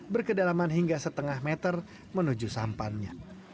berkedalaman hingga setengah meter menuju sampannya